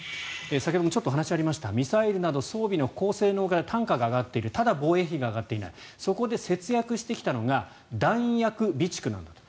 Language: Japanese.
先ほどもちょっと話にありましたミサイルなど装備の高性能化で単価が上がっているただ、防衛費が上がっていないそこで節約してきたのが弾薬備蓄なんだと。